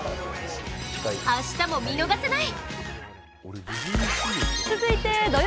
明日も見逃せない！